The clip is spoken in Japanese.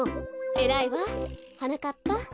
えらいわはなかっぱ。